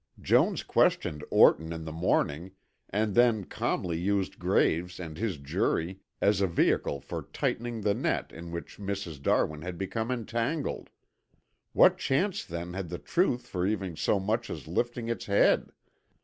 Jones questioned Orton in the morning and then calmly used Graves and his jury as a vehicle for tightening the net in which Mrs. Darwin had become entangled. What chance then had the truth for even so much as lifting its head?